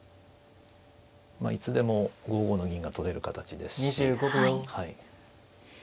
まあいつでも５五の銀が取れる形ですし。